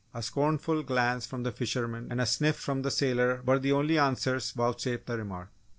A scornful glance from the fisherman and a sniff from the sailor were the only answers vouchsafed the remark.